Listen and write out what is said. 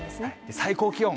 最高気温。